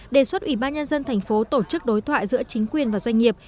đề xuất ủy ban nhân dân thành phố tổ chức đối thoại giữa chính quyền và doanh nghiệp